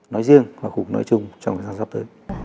nói riêng và cũng nói chung trong thời gian sắp tới